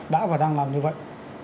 đã và đang làm như vậy